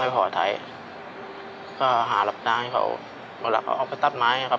พี่ก็ต้องเป็นภาระของน้องของแม่อีกอย่างหนึ่ง